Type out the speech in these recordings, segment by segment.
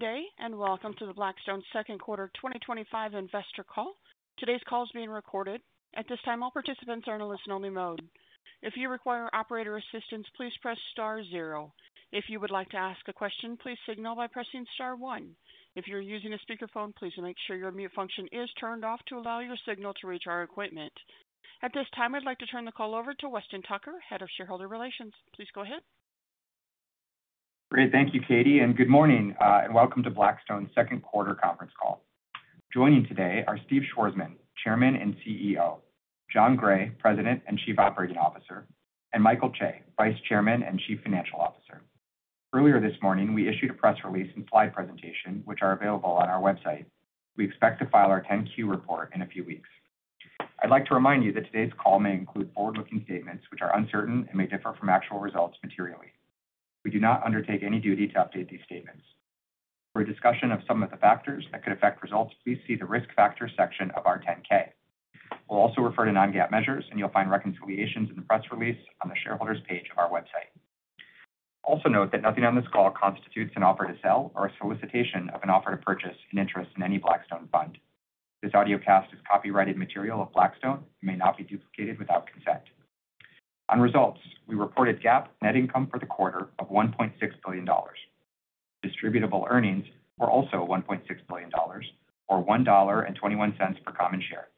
Good day and welcome to the Blackstone Second Quarter 2025 Investor Call. Today's call is being recorded. At this time, all participants are in a listen-only mode. If you require operator assistance, please press *0. If you would like to ask a question, please signal by pressing *1. If you're using a speakerphone, please make sure your mute function is turned off to allow your signal to reach our equipment. At this time, I'd like to turn the call over to Weston Tucker, Head of Shareholder Relations. Please go ahead. Great. Thank you, Katie, and good morning and welcome to Blackstone Second Quarter Conference Call. Joining today are Stephen Schwarzman, Chairman and CEO; Jonathan Gray, President and Chief Operating Officer; and Michael Chae, Vice Chairman and Chief Financial Officer. Earlier this morning, we issued a press release and slide presentation, which are available on our website. We expect to file our 10-Q report in a few weeks. I'd like to remind you that today's call may include forward-looking statements, which are uncertain and may differ from actual results materially. We do not undertake any duty to update these statements. For a discussion of some of the factors that could affect results, please see the risk factor section of our 10-K. We'll also refer to non-GAAP measures, and you'll find reconciliations in the press release on the shareholders' page of our website. Also note that nothing on this call constitutes an offer to sell or a solicitation of an offer to purchase in interest in any Blackstone fund. This audio cast is copyrighted material of Blackstone and may not be duplicated without consent. On results, we reported GAAP net income for the quarter of $1.6 billion. Distributable Earnings were also $1.6 billion, or $1.21 per common share,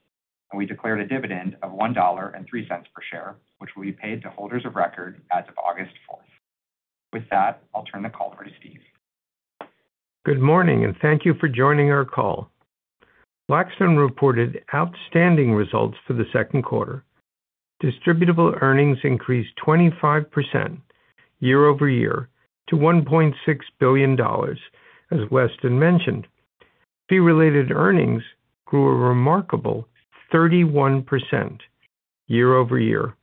and we declared a dividend of $1.03 per share, which will be paid to holders of record as of August 4th. With that, I'll turn the call over to Steve. Good morning, and thank you for joining our call. Blackstone reported outstanding results for the second quarter. Distributable Earnings increased 25% year over year to $1.6 billion. As Weston mentioned, fee-related earnings grew a remarkable 31% year over year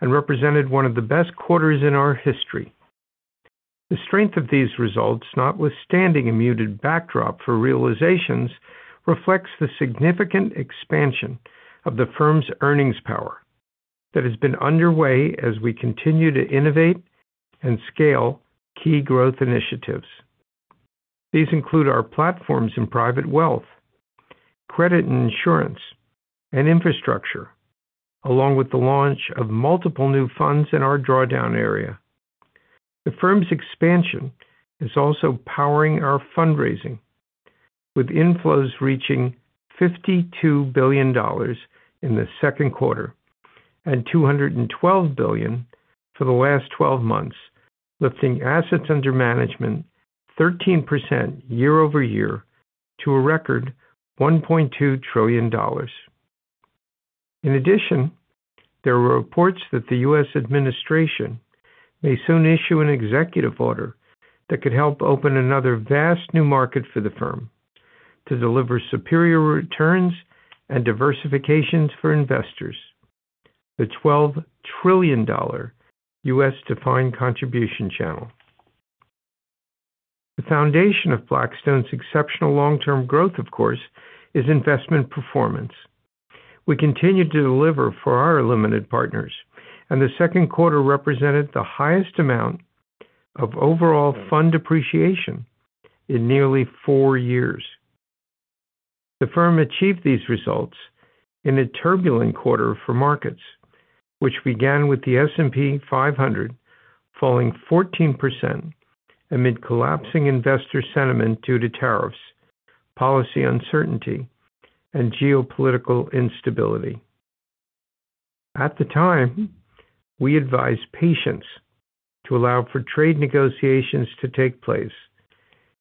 and represented one of the best quarters in our history. The strength of these results, notwithstanding a muted backdrop for realizations, reflects the significant expansion of the firm's earnings power that has been underway as we continue to innovate and scale key growth initiatives. These include our platforms in private wealth, credit and insurance, and infrastructure, along with the launch of multiple new funds in our drawdown area. The firm's expansion is also powering our fundraising, with inflows reaching $52 billion in the second quarter and $212 billion for the last 12 months, lifting assets under management 13% year over year to a record $1.2 trillion.f In addition, there were reports that the U.S. administration may soon issue an executive order that could help open another vast new market for the firm to deliver superior returns and diversification for investors: the $12 trillion U.S.-defined contribution channel. The foundation of Blackstone's exceptional long-term growth, of course, is investment performance. We continue to deliver for our limited partners, and the second quarter represented the highest amount of overall fund appreciation in nearly four years. The firm achieved these results in a turbulent quarter for markets, which began with the S&P 500 falling 14% amid collapsing investor sentiment due to tariffs, policy uncertainty, and geopolitical instability. At the time, we advised patience to allow for trade negotiations to take place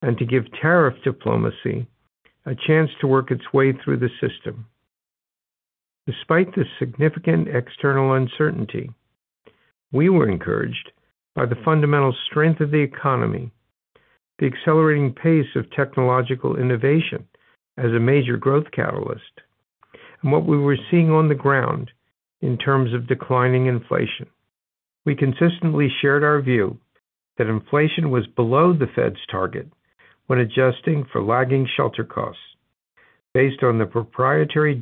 and to give tariff diplomacy a chance to work its way through the system. Despite the significant external uncertainty, we were encouraged by the fundamental strength of the economy, the accelerating pace of technological innovation as a major growth catalyst, and what we were seeing on the ground in terms of declining inflation. We consistently shared our view that inflation was below the Fed's target when adjusting for lagging shelter costs based on the proprietary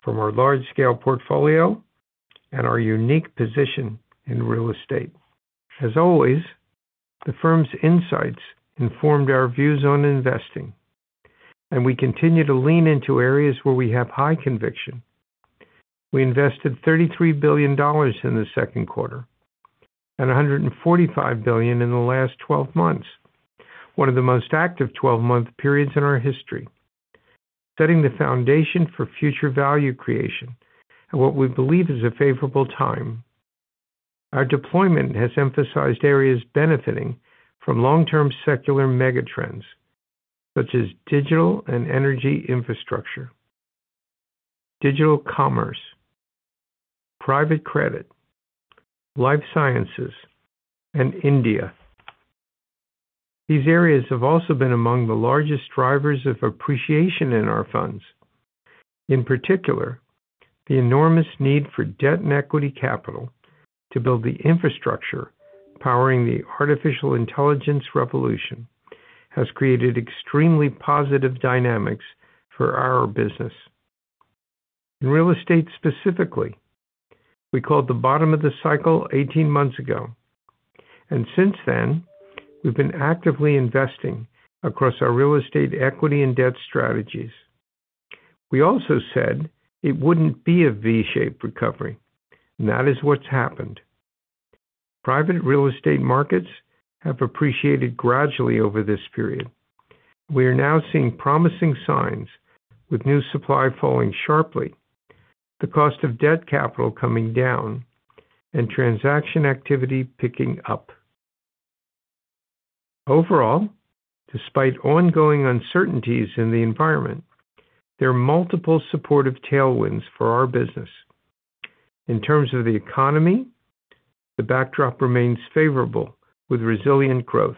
data from our large-scale portfolio and our unique position in real estate. As always, the firm's insights informed our views on investing, and we continue to lean into areas where we have high conviction. We invested $33 billion in the second quarter and $145 billion in the last 12 months, one of the most active 12-month periods in our history, setting the foundation for future value creation in what we believe is a favorable time. Our deployment has emphasized areas benefiting from long-term secular megatrends such as digital and energy infrastructure, digital commerce, private credit, life sciences, and India. These areas have also been among the largest drivers of appreciation in our funds. In particular, the enormous need for debt and equity capital to build the infrastructure powering the artificial intelligence revolution has created extremely positive dynamics for our business. In real estate specifically, we called the bottom of the cycle 18 months ago. Since then, we've been actively investing across our real estate equity and debt strategies. We also said it wouldn't be a V-shaped recovery, and that is what's happened. Private real estate markets have appreciated gradually over this period. We are now seeing promising signs with new supply falling sharply, the cost of debt capital coming down, and transaction activity picking up. Overall, despite ongoing uncertainties in the environment, there are multiple supportive tailwinds for our business. In terms of the economy, the backdrop remains favorable with resilient growth.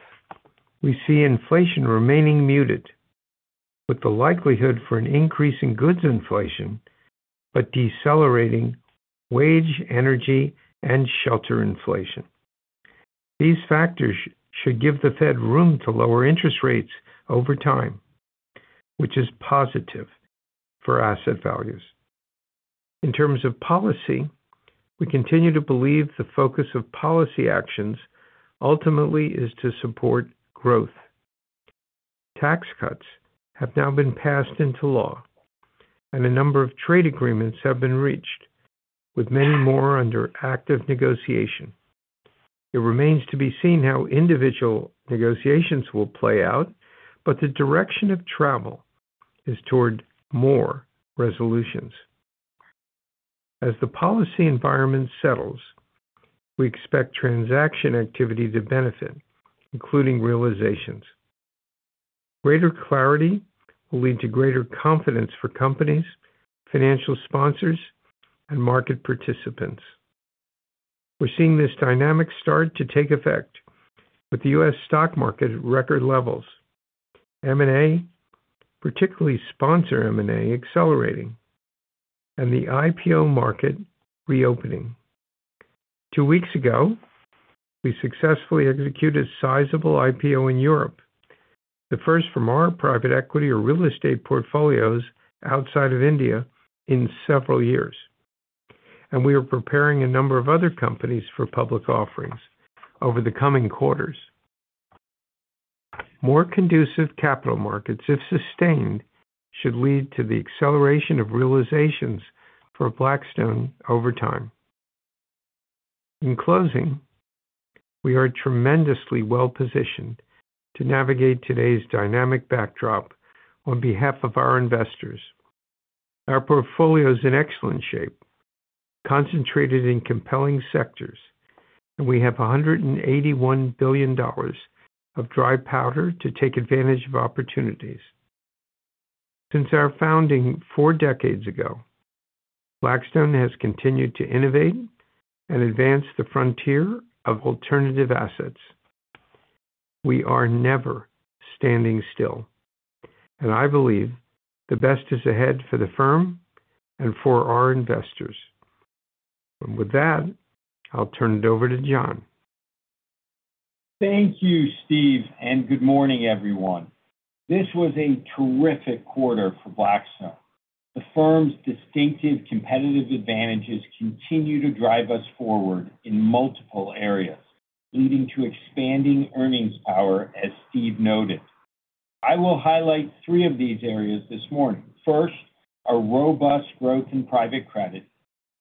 We see inflation remaining muted with the likelihood for an increase in goods inflation but decelerating wage, energy, and shelter inflation. These factors should give the Fed room to lower interest rates over time, which is positive for asset values. In terms of policy, we continue to believe the focus of policy actions ultimately is to support growth. Tax cuts have now been passed into law, and a number of trade agreements have been reached, with many more under active negotiation. It remains to be seen how individual negotiations will play out, but the direction of travel is toward more resolutions. As the policy environment settles, we expect transaction activity to benefit, including realizations. Greater clarity will lead to greater confidence for companies, financial sponsors, and market participants. We're seeing this dynamic start to take effect with the U.S. stock market at record levels, M&A, particularly sponsor M&A accelerating, and the IPO market reopening. Two weeks ago, we successfully executed a sizable IPO in Europe, the first from our private equity or real estate portfolios outside of India in several years, and we are preparing a number of other companies for public offerings over the coming quarters. More conducive capital markets, if sustained, should lead to the acceleration of realizations for Blackstone over time. In closing, we are tremendously well-positioned to navigate today's dynamic backdrop on behalf of our investors. Our portfolio is in excellent shape, concentrated in compelling sectors, and we have $181 billion of dry powder to take advantage of opportunities. Since our founding four decades ago, Blackstone has continued to innovate and advance the frontier of alternative assets. We are never standing still, and I believe the best is ahead for the firm and for our investors. With that, I'll turn it over to John. Thank you, Steve, and good morning, everyone. This was a terrific quarter for Blackstone. The firm's distinctive competitive advantages continue to drive us forward in multiple areas, leading to expanding earnings power, as Steve noted. I will highlight three of these areas this morning. First, our robust growth in private credit.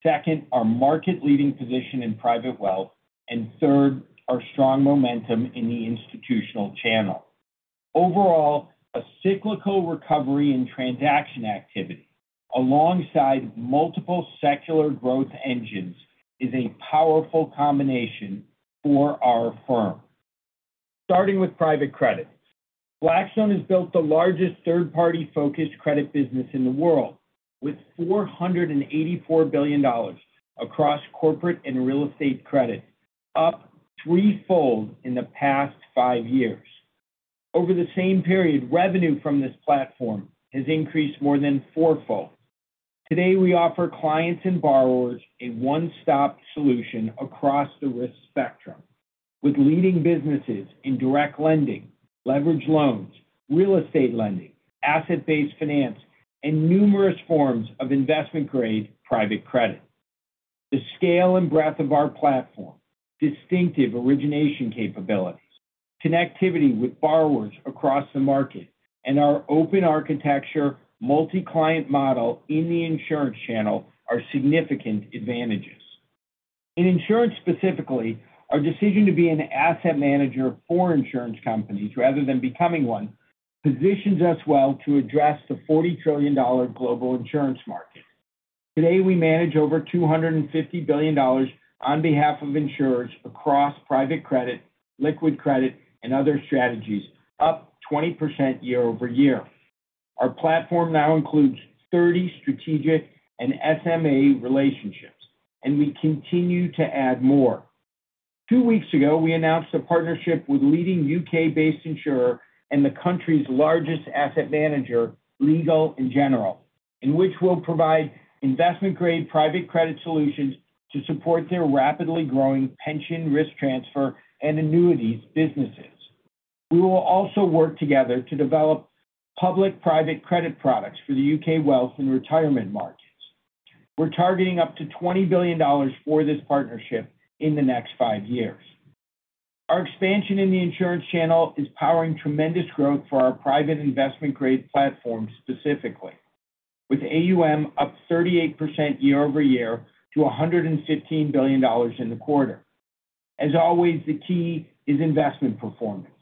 Second, our market-leading position in private wealth. And third, our strong momentum in the institutional channel. Overall, a cyclical recovery in transaction activity alongside multiple secular growth engines is a powerful combination for our firm. Starting with private credit, Blackstone has built the largest third-party-focused credit business in the world with $484 billion across corporate and real estate credit, up threefold in the past five years. Over the same period, revenue from this platform has increased more than fourfold. Today, we offer clients and borrowers a one-stop solution across the risk spectrum, with leading businesses in direct lending, leveraged loans, real estate lending, asset-based finance, and numerous forms of investment-grade private credit. The scale and breadth of our platform, distinctive origination capabilities, connectivity with borrowers across the market, and our open architecture, multi-client model in the insurance channel are significant advantages. In insurance specifically, our decision to be an asset manager for insurance companies rather than becoming one positions us well to address the $40 trillion global insurance market. Today, we manage over $250 billion on behalf of insurers across private credit, liquid credit, and other strategies, up 20% year over year. Our platform now includes 30 strategic and SMA relationships, and we continue to add more. Two weeks ago, we announced a partnership with a leading U.K.-based insurer and the country's largest asset manager, Legal & General, in which we will provide investment-grade private credit solutions to support their rapidly growing pension risk transfer and annuities businesses. We will also work together to develop public-private credit products for the U.K. wealth and retirement markets. We are targeting up to $20 billion for this partnership in the next five years. Our expansion in the insurance channel is powering tremendous growth for our private investment-grade platform specifically, with AUM up 38% year over year to $115 billion in the quarter. As always, the key is investment performance.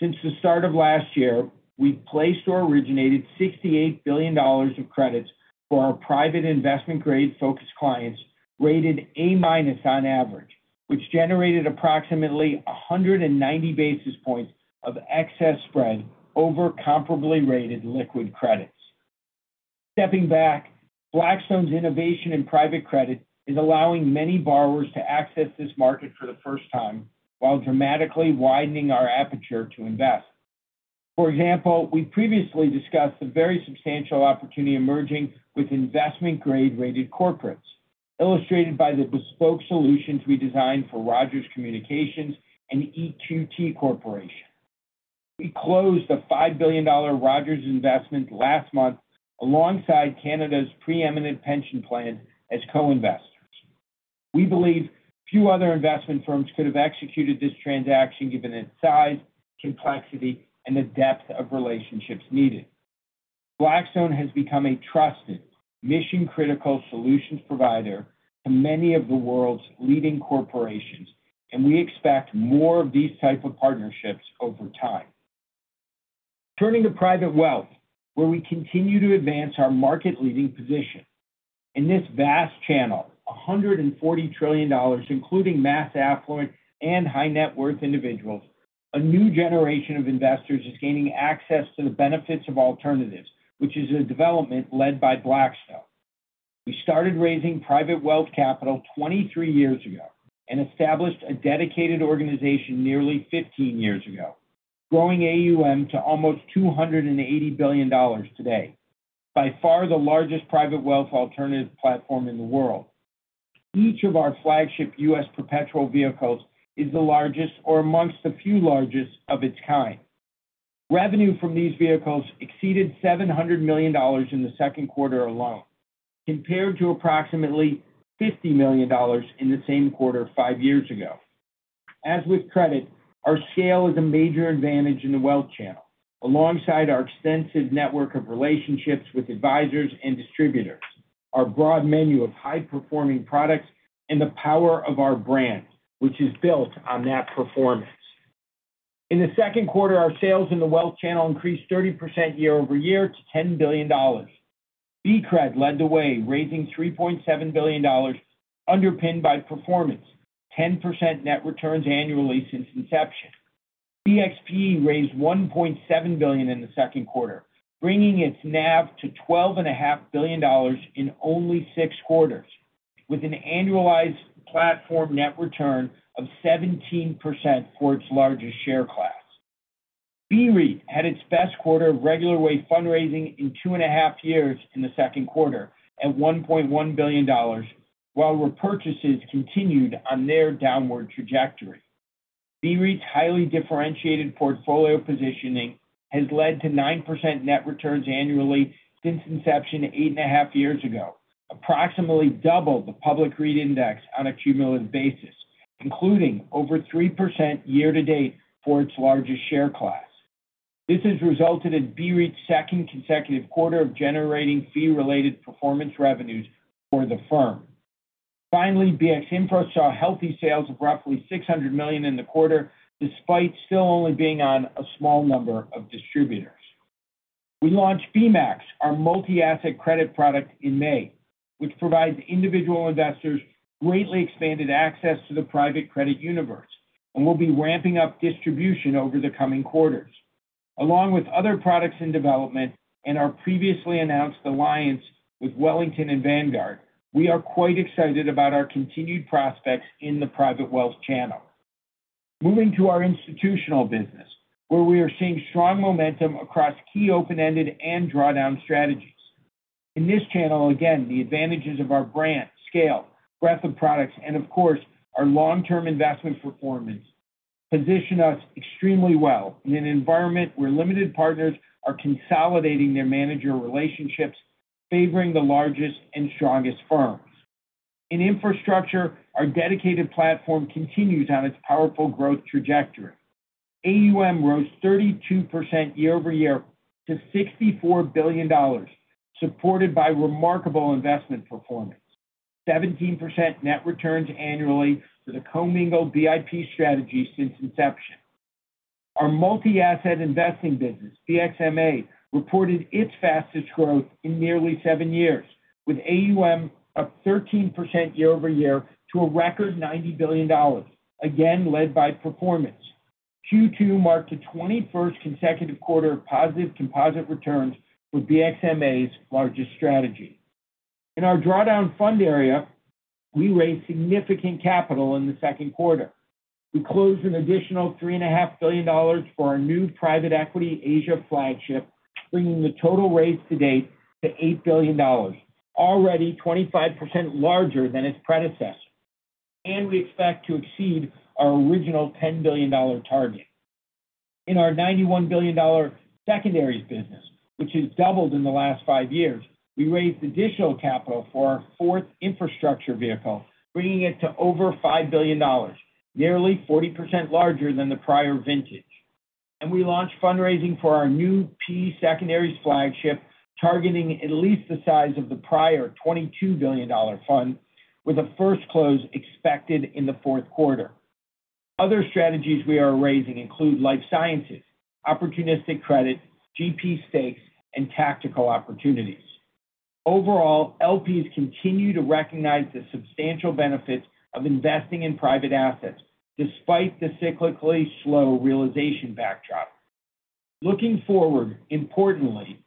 Since the start of last year, we have placed or originated $68 billion of credits for our private investment-grade focus clients rated A- on average, which generated approximately 190 basis points of excess spread over comparably rated liquid credits. Stepping back, Blackstone's innovation in private credit is allowing many borrowers to access this market for the first time while dramatically widening our aperture to invest. For example, we previously discussed the very substantial opportunity emerging with investment-grade rated corporates, illustrated by the bespoke solutions we designed for Rogers Communications and EQT Corporation. We closed a $5 billion Rogers investment last month alongside Canada's preeminent pension plan as co-investors. We believe few other investment firms could have executed this transaction given its size, complexity, and the depth of relationships needed. Blackstone has become a trusted, mission-critical solutions provider to many of the world's leading corporations, and we expect more of these types of partnerships over time. Turning to private wealth, where we continue to advance our market-leading position. In this vast channel, $140 trillion, including mass affluent and high-net-worth individuals, a new generation of investors is gaining access to the benefits of alternatives, which is a development led by Blackstone. We started raising private wealth capital 23 years ago and established a dedicated organization nearly 15 years ago, growing AUM to almost $280 billion today, by far the largest private wealth alternative platform in the world. Each of our flagship US perpetual vehicles is the largest or amongst the few largest of its kind. Revenue from these vehicles exceeded $700 million in the second quarter alone, compared to approximately $50 million in the same quarter five years ago. As with credit, our scale is a major advantage in the wealth channel alongside our extensive network of relationships with advisors and distributors, our broad menu of high-performing products, and the power of our brand, which is built on that performance. In the second quarter, our sales in the wealth channel increased 30% year over year to $10 billion. BCRED led the way, raising $3.7 billion, underpinned by performance, 10% net returns annually since inception. BXPE raised $1.7 billion in the second quarter, bringing its NAV to $12.5 billion in only six quarters, with an annualized platform net return of 17% for its largest share class. BREIT had its best quarter of regular way fundraising in two and a half years in the second quarter at $1.1 billion, while repurchases continued on their downward trajectory. BREIT's highly differentiated portfolio positioning has led to 9% net returns annually since inception eight and a half years ago, approximately double the public REIT index on a cumulative basis, including over 3% year to date for its largest share class. This has resulted in BREIT's second consecutive quarter of generating fee-related performance revenues for the firm. Finally, BXINFRA saw healthy sales of roughly $600 million in the quarter, despite still only being on a small number of distributors. We launched BMAX, our multi-asset credit product, in May, which provides individual investors greatly expanded access to the private credit universe and will be ramping up distribution over the coming quarters. Along with other products in development and our previously announced alliance with Wellington and Vanguard, we are quite excited about our continued prospects in the private wealth channel. Moving to our institutional business, where we are seeing strong momentum across key open-ended and drawdown strategies. In this channel, again, the advantages of our brand, scale, breadth of products, and of course, our long-term investment performance position us extremely well in an environment where limited partners are consolidating their manager relationships, favoring the largest and strongest firms. In infrastructure, our dedicated platform continues on its powerful growth trajectory. AUM rose 32% year over year to $64 billion, supported by remarkable investment performance, 17% net returns annually for the co-mingled VIP strategy since inception. Our multi-asset investing business, BXMA, reported its fastest growth in nearly seven years, with AUM up 13% year over year to a record $90 billion, again led by performance. Q2 marked the 21st consecutive quarter of positive composite returns for BXMA's largest strategy. In our drawdown fund area, we raised significant capital in the second quarter. We closed an additional $3.5 billion for our new private equity Asia flagship, bringing the total raised to date to $8 billion, already 25% larger than its predecessor. We expect to exceed our original $10 billion target. In our $91 billion secondaries business, which has doubled in the last five years, we raised additional capital for our fourth infrastructure vehicle, bringing it to over $5 billion, nearly 40% larger than the prior vintage. We launched fundraising for our new P secondaries flagship, targeting at least the size of the prior $22 billion fund, with a first close expected in the fourth quarter. Other strategies we are raising include life sciences, opportunistic credit, GP stakes, and tactical opportunities. Overall, LPs continue to recognize the substantial benefits of investing in private assets despite the cyclically slow realization backdrop. Looking forward, importantly,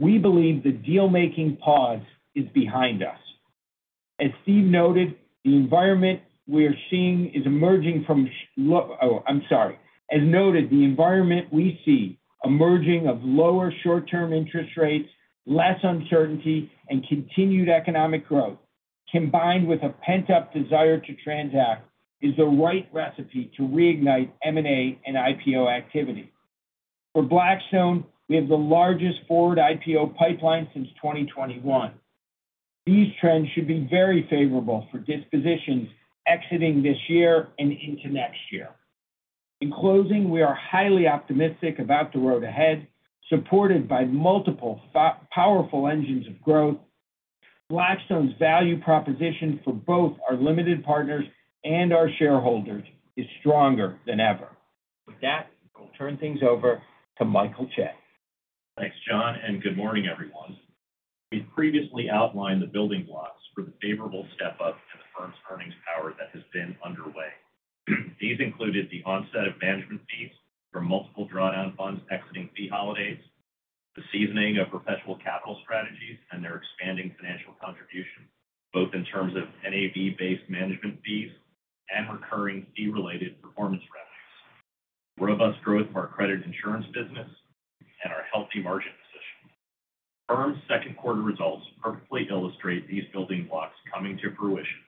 we believe the deal-making pause is behind us. As Steve noted, the environment we are seeing is emerging from—oh, I'm sorry. As noted, the environment we see emerging of lower short-term interest rates, less uncertainty, and continued economic growth, combined with a pent-up desire to transact, is the right recipe to reignite M&A and IPO activity. For Blackstone, we have the largest forward IPO pipeline since 2021. These trends should be very favorable for dispositions exiting this year and into next year. In closing, we are highly optimistic about the road ahead, supported by multiple powerful engines of growth. Blackstone's value proposition for both our limited partners and our shareholders is stronger than ever. With that, I'll turn things over to Michael Chae. Thanks, John, and good morning, everyone. We previously outlined the building blocks for the favorable step-up in the firm's earnings power that has been underway. These included the onset of management fees for multiple drawdown funds exiting fee holidays, the seasoning of perpetual capital strategies and their expanding financial contribution, both in terms of NAV-based management fees and recurring fee-related performance revenues, robust growth of our credit insurance business, and our healthy margin position. The firm's second quarter results perfectly illustrate these building blocks coming to fruition,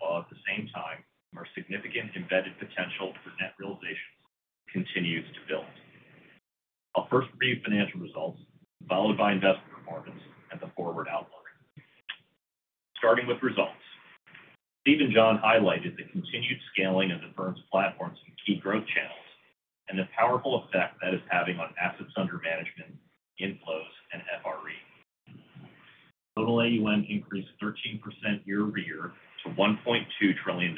while at the same time, our significant embedded potential for net realizations continues to build. I'll first review financial results, followed by investor performance and the forward outlook. Starting with results, Steve and John highlighted the continued scaling of the firm's platforms and key growth channels and the powerful effect that is having on assets under management, inflows, and FRE. Total AUM increased 13% year over year to $1.2 trillion,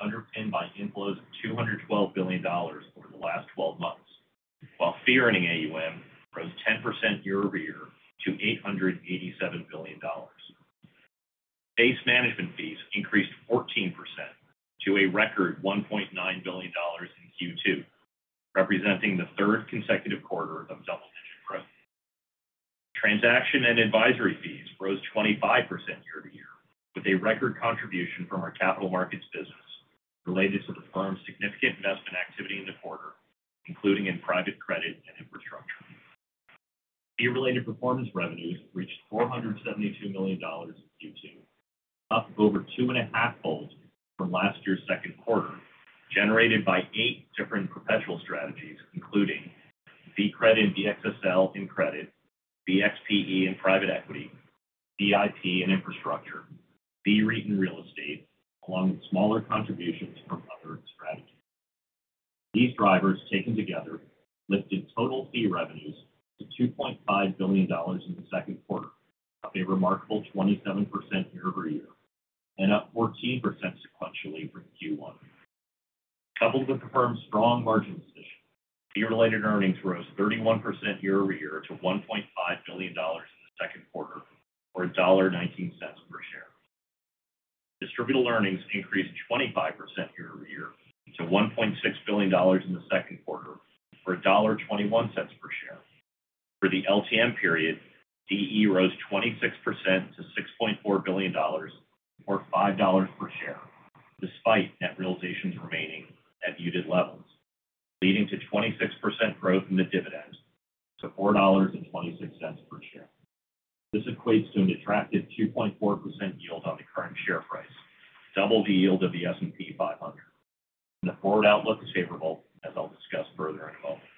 underpinned by inflows of $212 billion over the last 12 months, while fee-earning AUM rose 10% year over year to $887 billion. Base management fees increased 14% to a record $1.9 billion in Q2, representing the third consecutive quarter of double-digit growth. Transaction and advisory fees rose 25% year over year with a record contribution from our capital markets business related to the firm's significant investment activity in the quarter, including in private credit and infrastructure. Fee-related performance revenues reached $472 million in Q2, up over two and a half fold from last year's second quarter, generated by eight different perpetual strategies, including BCRED and BXSL in credit, BXPE in private equity, VIP and infrastructure, BREIT and real estate, along with smaller contributions from other strategies. These drivers, taken together, lifted total fee revenues to $2.5 billion in the second quarter, up a remarkable 27% year over year, and up 14% sequentially from Q1. Coupled with the firm's strong margin position, fee-related earnings rose 31% year over year to $1.5 billion in the second quarter, or $1.19 per share. Distributable Earnings increased 25% year over year to $1.6 billion in the second quarter, or $1.21 per share. For the LTM period, DE rose 26% to $6.4 billion, or $5 per share, despite net realizations remaining at muted levels, leading to 26% growth in the dividend to $4.26 per share. This equates to an attractive 2.4% yield on the current share price, double the yield of the S&P 500. The forward outlook is favorable, as I'll discuss further in a moment.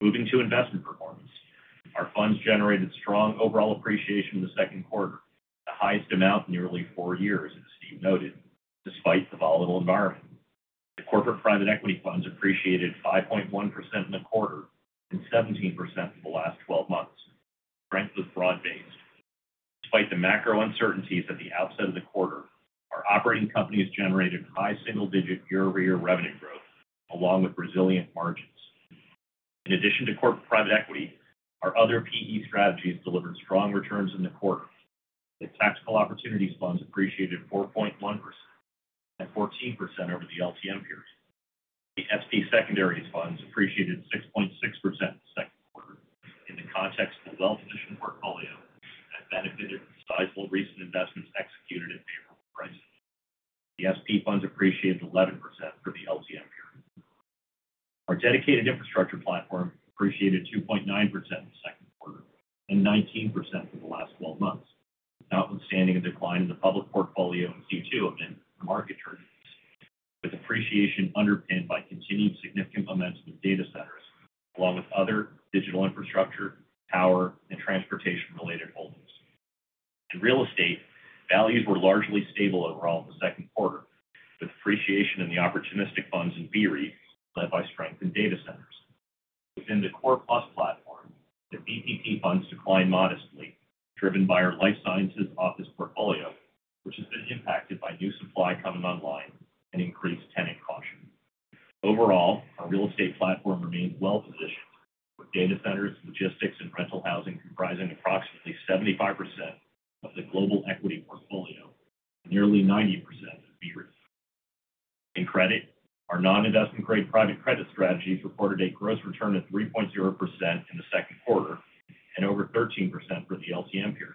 Moving to investment performance, our funds generated strong overall appreciation in the second quarter, the highest amount in nearly four years, as Steve noted, despite the volatile environment. The corporate private equity funds appreciated 5.1% in the quarter and 17% for the last 12 months, ranked with broad-based. Despite the macro uncertainties at the outset of the quarter, our operating companies generated high single-digit year-over-year revenue growth, along with resilient margins. In addition to corporate private equity, our other PE strategies delivered strong returns in the quarter. The tactical opportunities funds appreciated 4.1% and 14% over the LTM period. The SP secondaries funds appreciated 6.6% in the second quarter in the context of a well-positioned portfolio that benefited from sizable recent investments executed at favorable prices. The SP funds appreciated 11% for the LTM period. Our dedicated infrastructure platform appreciated 2.9% in the second quarter and 19% for the last 12 months, notwithstanding a decline in the public portfolio in Q2 amid market turbulence, with appreciation underpinned by continued significant amounts of data centers, along with other digital infrastructure, power, and transportation-related holdings. In real estate, values were largely stable overall in the second quarter, with appreciation in the opportunistic funds and BREITs led by strength in data centers. Within the CorePlus platform, the VPP funds declined modestly, driven by our life sciences office portfolio, which has been impacted by new supply coming online and increased tenant caution. Overall, our real estate platform remains well-positioned, with data centers, logistics, and rental housing comprising approximately 75% of the global equity portfolio and nearly 90% of BREITs. In credit, our non-investment-grade private credit strategies reported a gross return of 3.0% in the second quarter and over 13% for the LTM period.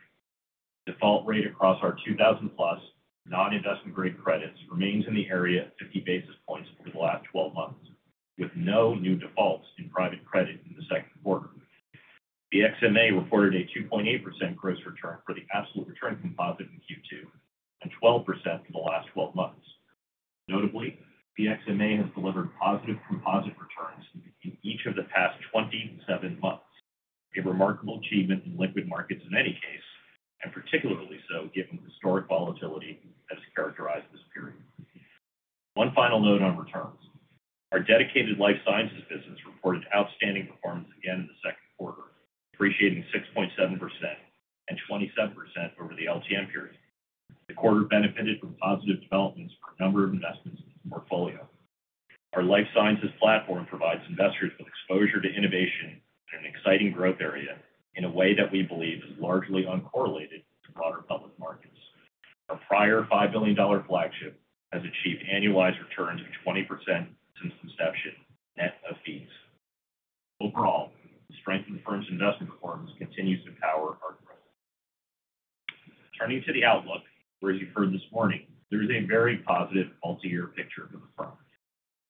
Default rate across our 2,000-plus non-investment-grade credits remains in the area of 50 basis points over the last 12 months, with no new defaults in private credit in the second quarter. BXMA reported a 2.8% gross return for the absolute return composite in Q2 and 12% for the last 12 months. Notably, BXMA has delivered positive composite returns in each of the past 27 months, a remarkable achievement in liquid markets in any case, and particularly so given historic volatility that has characterized this period. One final note on returns. Our dedicated life sciences business reported outstanding performance again in the second quarter, appreciating 6.7% and 27% over the LTM period. The quarter benefited from positive developments for a number of investments in the portfolio. Our life sciences platform provides investors with exposure to innovation in an exciting growth area in a way that we believe is largely uncorrelated to broader public markets. Our prior $5 billion flagship has achieved annualized returns of 20% since inception net of fees. Overall, the strength of the firm's investment performance continues to power our growth. Turning to the outlook, as you've heard this morning, there is a very positive multi-year picture for the firm.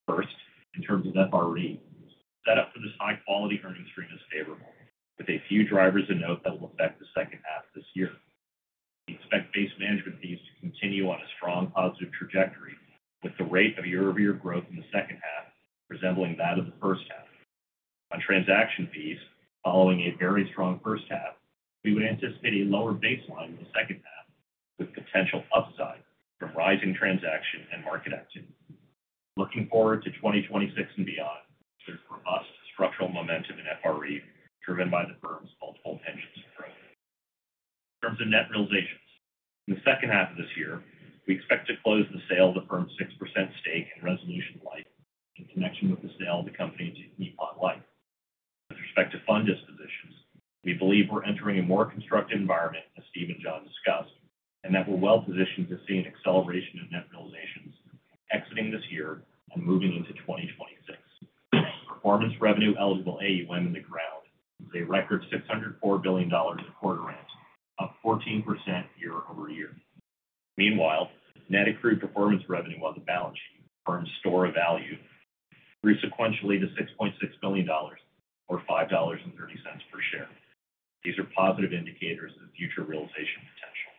First, in terms of FRE, setup for this high-quality earnings stream is favorable, with a few drivers to note that will affect the second half of this year. We expect base management fees to continue on a strong positive trajectory, with the rate of year-over-year growth in the second half resembling that of the first half. On transaction fees, following a very strong first half, we would anticipate a lower baseline in the second half, with potential upside from rising transaction and market activity. Looking forward to 2026 and beyond, there's robust structural momentum in FRE driven by the firm's multiple tangents of growth. In terms of net realizations, in the second half of this year, we expect to close the sale of the firm's 6% stake in Resolution Life in connection with the sale of the company to Nippon Life. With respect to fund dispositions, we believe we're entering a more constructive environment, as Steve and Jon discussed, and that we're well-positioned to see an acceleration in net realizations exiting this year and moving into 2026. Performance revenue eligible AUM in the ground is a record $604 billion in the current quarter, up 14% year over year. Meanwhile, net accrued performance revenue on the balance sheet firmwide grew sequentially to $6.6 billion, or $5.30 per share. These are positive indicators of future realization potential.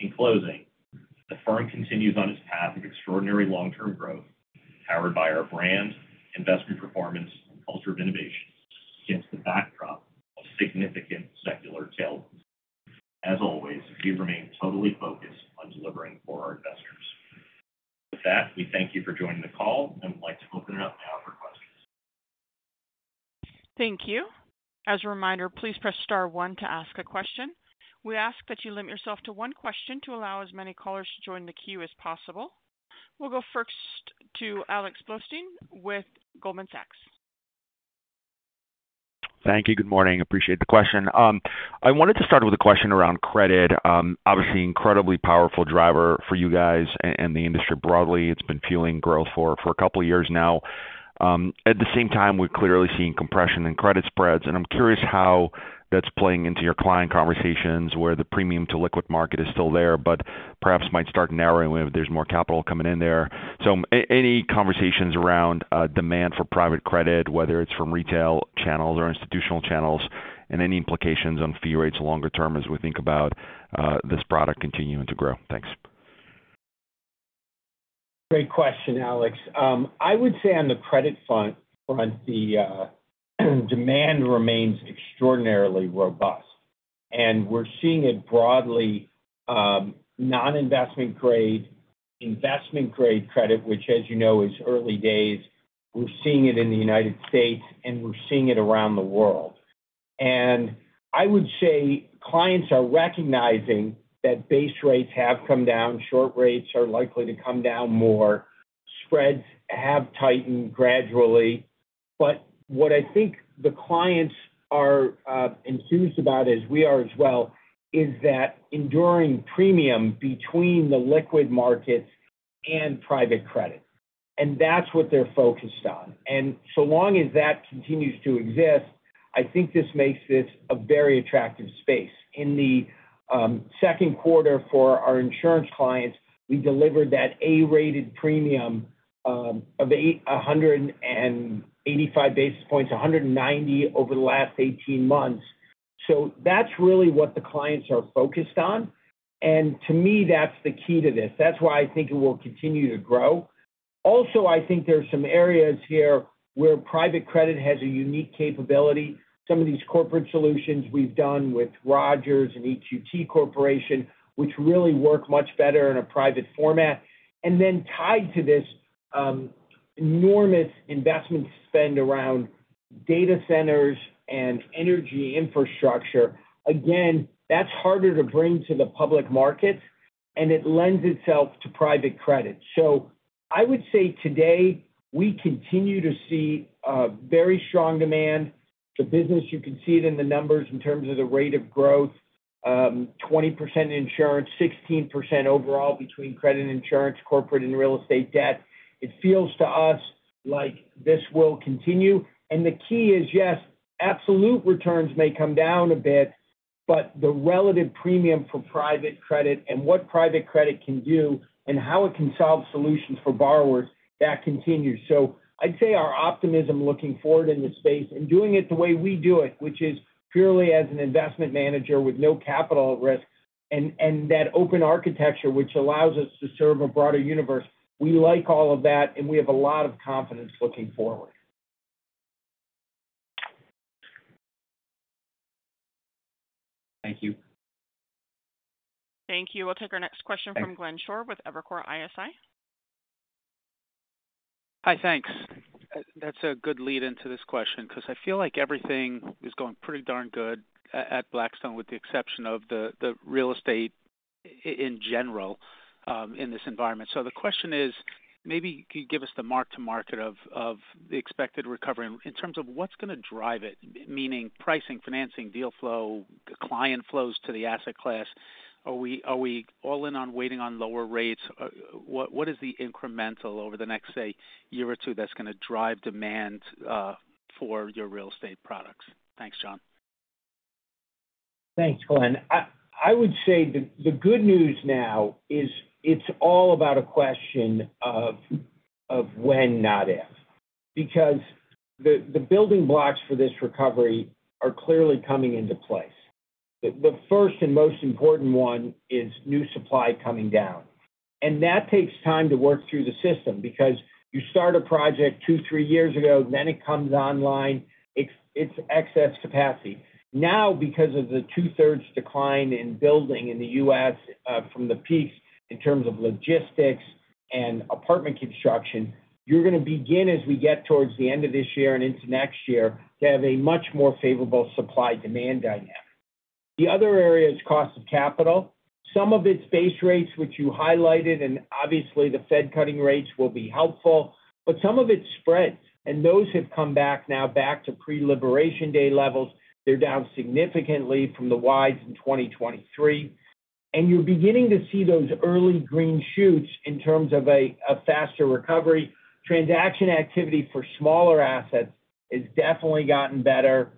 In closing, the firm continues on its path of extraordinary long-term growth, powered by our brand, investment performance, and culture of innovation against the backdrop of significant secular tailwinds. As always, we remain totally focused on delivering for our investors. With that, we thank you for joining the call and would like to open it up now for questions. Thank you. As a reminder, please press star one to ask a question. We ask that you limit yourself to one question to allow as many callers to join the queue as possible. We'll go first to Alex Blostein with Goldman Sachs. Thank you. Good morning. Appreciate the question. I wanted to start with a question around credit. Obviously, an incredibly powerful driver for you guys and the industry broadly. It's been fueling growth for a couple of years now. At the same time, we're clearly seeing compression in credit spreads. I'm curious how that's playing into your client conversations, where the premium-to-liquid market is still there, but perhaps might start narrowing if there's more capital coming in there. Any conversations around demand for private credit, whether it's from retail channels or institutional channels, and any implications on fee rates longer term as we think about this product continuing to grow? Thanks. Great question, Alex. I would say on the credit front, the demand remains extraordinarily robust. We are seeing it broadly. Non-investment-grade, investment-grade credit, which, as you know, is early days. We are seeing it in the U.S., and we are seeing it around the world. I would say clients are recognizing that base rates have come down. Short rates are likely to come down more. Spreads have tightened gradually. What I think the clients are enthused about, as we are as well, is that enduring premium between the liquid markets and private credit. That is what they are focused on. As long as that continues to exist, I think this makes this a very attractive space. In the second quarter for our insurance clients, we delivered that A-rated premium of 185 basis points, 190 over the last 18 months. That is really what the clients are focused on. To me, that is the key to this. That is why I think it will continue to grow. Also, I think there are some areas here where private credit has a unique capability. Some of these corporate solutions we have done with Rogers Communications and EQT Corp, which really work much better in a private format. Then tied to this, enormous investment spend around data centers and energy infrastructure. Again, that is harder to bring to the public markets, and it lends itself to private credit. I would say today, we continue to see very strong demand. The business, you can see it in the numbers in terms of the rate of growth. 20% insurance, 16% overall between credit insurance, corporate, and real estate debt. It feels to us like this will continue. The key is, yes, absolute returns may come down a bit, but the relative premium for private credit and what private credit can do and how it can solve solutions for borrowers, that continues. I would say our optimism looking forward in this space and doing it the way we do it, which is purely as an investment manager with no capital at risk and that open architecture, which allows us to serve a broader universe. We like all of that, and we have a lot of confidence looking forward. Thank you. Thank you. We'll take our next question from Glenn Schorr with Evercore ISI. Hi, thanks. That's a good lead-in to this question because I feel like everything is going pretty darn good at Blackstone, with the exception of the real estate. In general in this environment. The question is, maybe could you give us the mark-to-market of the expected recovery in terms of what's going to drive it, meaning pricing, financing, deal flow, client flows to the asset class? Are we all in on waiting on lower rates? What is the incremental over the next, say, year or two that's going to drive demand for your real estate products? Thanks, John. Thanks, Glenn. I would say the good news now is it's all about a question of when, not if, because the building blocks for this recovery are clearly coming into place. The first and most important one is new supply coming down. That takes time to work through the system because you start a project two, three years ago, then it comes online. It's excess capacity. Now, because of the two-thirds decline in building in the U.S. from the peak in terms of logistics and apartment construction, you're going to begin, as we get towards the end of this year and into next year, to have a much more favorable supply-demand dynamic. The other area is cost of capital. Some of it is base rates, which you highlighted, and obviously the Fed cutting rates will be helpful, but some of it is spreads, and those have come back now back to pre-liberation day levels. They're down significantly from the widths in 2023. You're beginning to see those early green shoots in terms of a faster recovery. Transaction activity for smaller assets has definitely gotten better.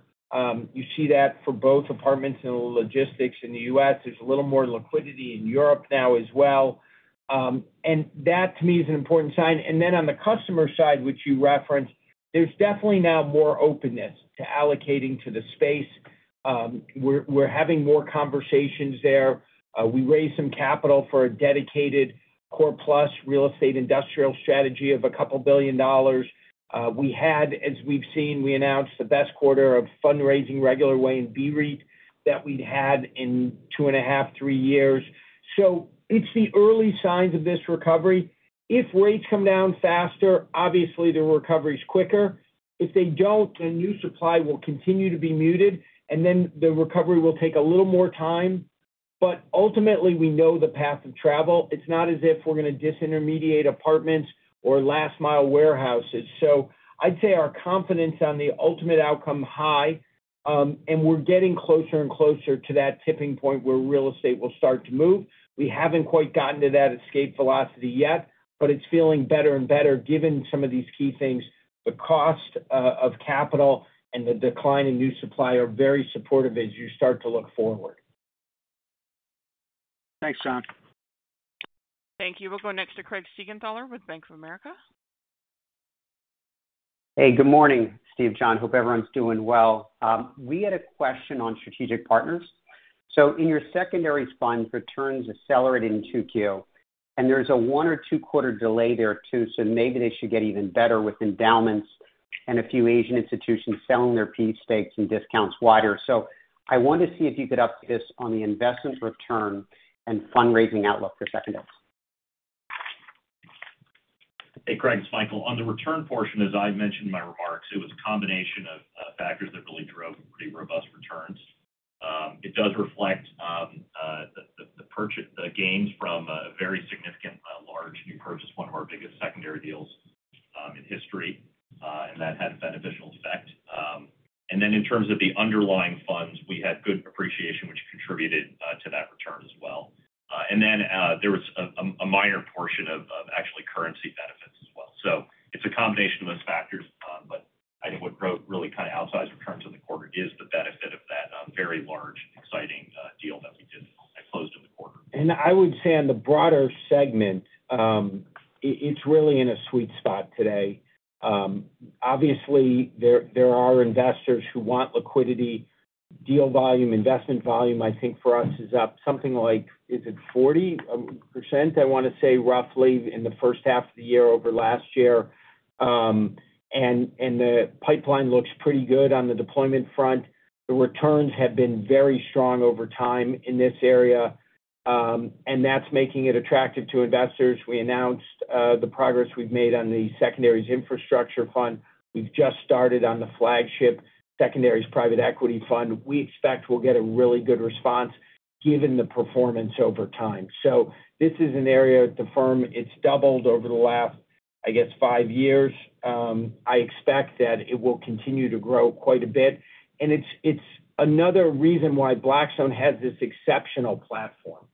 You see that for both apartments and logistics in the U.S. There's a little more liquidity in Europe now as well. That, to me, is an important sign. On the customer side, which you referenced, there's definitely now more openness to allocating to the space. We're having more conversations there. We raised some capital for a dedicated CorePlus real estate industrial strategy of a couple of billion dollars. We had, as we've seen, we announced the best quarter of fundraising regular way in BREIT that we'd had in two and a half, three years. It's the early signs of this recovery. If rates come down faster, obviously the recovery is quicker. If they do not, the new supply will continue to be muted, and then the recovery will take a little more time. Ultimately, we know the path of travel. It's not as if we're going to disintermediate apartments or last-mile warehouses. I'd say our confidence on the ultimate outcome is high. We're getting closer and closer to that tipping point where real estate will start to move. We haven't quite gotten to that escape velocity yet, but it's feeling better and better given some of these key things. The cost of capital and the decline in new supply are very supportive as you start to look forward. Thanks, John. Thank you. We'll go next to Craig Siegenthaler with Bank of America. Hey, good morning, Steve and John. Hope everyone's doing well. We had a question on strategic partners. In your secondary funds, returns accelerated in Tokyo, and there's a one or two-quarter delay there too, so maybe they should get even better with endowments and a few Asian institutions selling their piece stakes and discounts wider. I wanted to see if you could update this on the investment return and fundraising outlook for secondaries. Hey, Craig, it's Michael. On the return portion, as I mentioned in my remarks, it was a combination of factors that really drove pretty robust returns. It does reflect the gains from a very significant large new purchase, one of our biggest secondary deals in history, and that had a beneficial effect. In terms of the underlying funds, we had good appreciation, which contributed to that return as well. There was a minor portion of actually currency benefits as well. It is a combination of those factors, but I think what really kind of outsized returns in the quarter is the benefit of that very large, exciting deal that we did and closed in the quarter. I would say on the broader segment, it's really in a sweet spot today. Obviously, there are investors who want liquidity. Deal volume, investment volume, I think for us is up something like, is it 40%? I want to say roughly in the first half of the year over last year. The pipeline looks pretty good on the deployment front. The returns have been very strong over time in this area, and that's making it attractive to investors. We announced the progress we've made on the secondaries infrastructure fund. We've just started on the flagship secondaries private equity fund. We expect we'll get a really good response given the performance over time. This is an area at the firm, it's doubled over the last, I guess, five years. I expect that it will continue to grow quite a bit. It's another reason why Blackstone has this exceptional platform.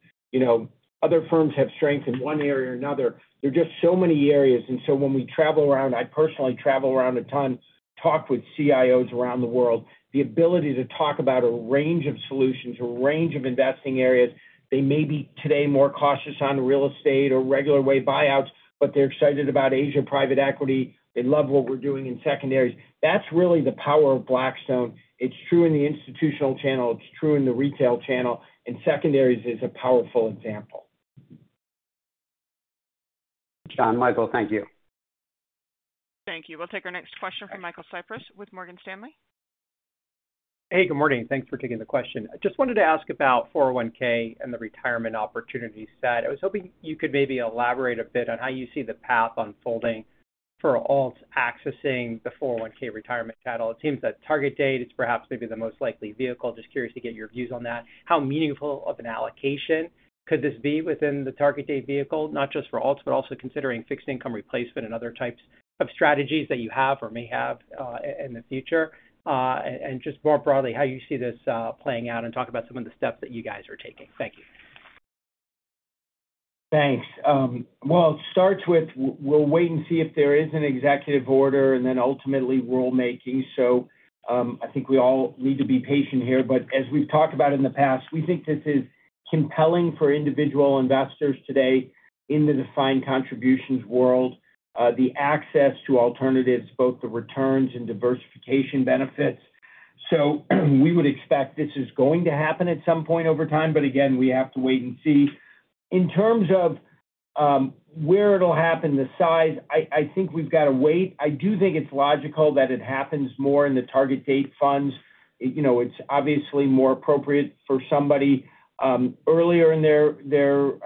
Other firms have strength in one area or another. There are just so many areas. When we travel around, I personally travel around a ton, talk with CIOs around the world, the ability to talk about a range of solutions, a range of investing areas. They may be today more cautious on real estate or regular way buyouts, but they're excited about Asia private equity. They love what we're doing in secondaries. That's really the power of Blackstone. It's true in the institutional channel. It's true in the retail channel. Secondaries is a powerful example. John, Michael, thank you. Thank you. We'll take our next question from Michael Cyprys with Morgan Stanley. Hey, good morning. Thanks for taking the question. I just wanted to ask about 401(k) and the retirement opportunity set. I was hoping you could maybe elaborate a bit on how you see the path unfolding for alts accessing the 401(k) retirement cattle. It seems that target date is perhaps maybe the most likely vehicle. Just curious to get your views on that. How meaningful of an allocation could this be within the target date vehicle, not just for alts, but also considering fixed income replacement and other types of strategies that you have or may have in the future? Just more broadly, how you see this playing out and talk about some of the steps that you guys are taking. Thank you. Thanks. It starts with we'll wait and see if there is an executive order and then ultimately rulemaking. I think we all need to be patient here. As we've talked about in the past, we think this is compelling for individual investors today in the defined contributions world, the access to alternatives, both the returns and diversification benefits. We would expect this is going to happen at some point over time, but again, we have to wait and see. In terms of where it'll happen, the size, I think we've got to wait. I do think it's logical that it happens more in the target date funds. It's obviously more appropriate for somebody earlier in their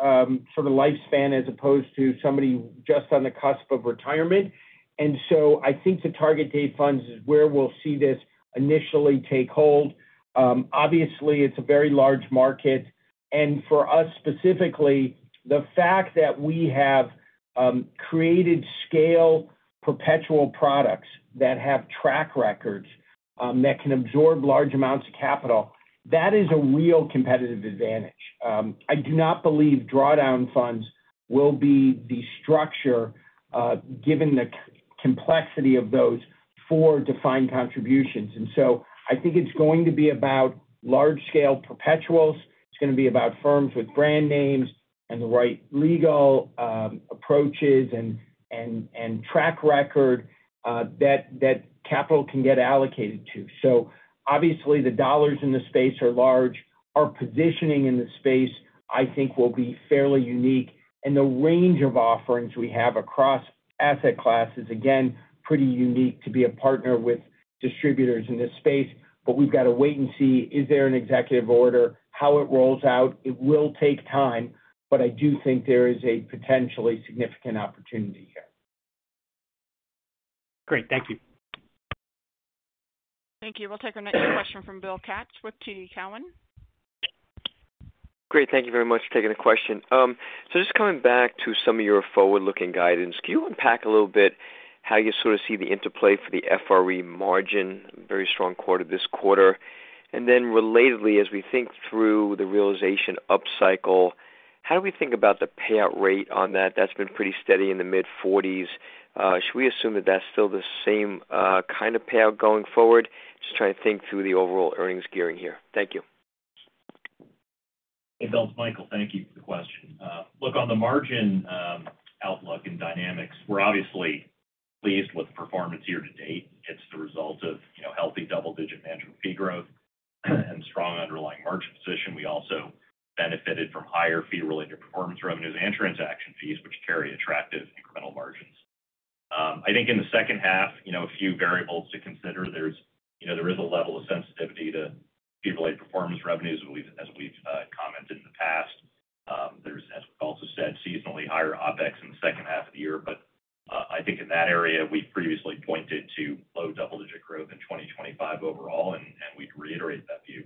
sort of lifespan as opposed to somebody just on the cusp of retirement. I think the target date funds is where we'll see this initially take hold. Obviously, it's a very large market. For us specifically, the fact that we have created scale perpetual products that have track records that can absorb large amounts of capital, that is a real competitive advantage. I do not believe drawdown funds will be the structure, given the complexity of those for defined contributions. I think it's going to be about large-scale perpetuals. It's going to be about firms with brand names and the right legal approaches and track record that capital can get allocated to. Obviously, the dollars in the space are large. Our positioning in the space, I think, will be fairly unique. The range of offerings we have across asset classes, again, pretty unique to be a partner with distributors in this space. We've got to wait and see. Is there an executive order? How it rolls out? It will take time, but I do think there is a potentially significant opportunity here. Great. Thank you. Thank you. We'll take our next question from Bill Katz with TD Cowen. Great. Thank you very much for taking the question. Just coming back to some of your forward-looking guidance, can you unpack a little bit how you sort of see the interplay for the FRE margin, very strong quarter this quarter? Relatedly, as we think through the realization upcycle, how do we think about the payout rate on that? That has been pretty steady in the mid-40%. Should we assume that that is still the same kind of payout going forward? Just trying to think through the overall earnings gearing here. Thank you. Hey, Bill, it's Michael. Thank you for the question. Look, on the margin. Outlook and dynamics, we're obviously pleased with the performance year to date. It's the result of healthy double-digit management fee growth and strong underlying margin position. We also benefited from higher fee-related performance revenues and transaction fees, which carry attractive incremental margins. I think in the second half, a few variables to consider. There is a level of sensitivity to fee-related performance revenues, as we've commented in the past. There's, as we've also said, seasonally higher OpEx in the second half of the year. I think in that area, we previously pointed to low double-digit growth in 2025 overall, and we'd reiterate that view.